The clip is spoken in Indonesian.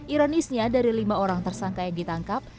ironisnya dari lima orang tersangka yang ditangkap